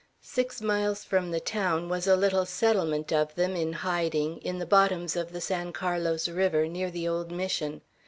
Six miles from the town was a little settlement of them, in hiding, in the bottoms of the San Carlos River, near the old Mission.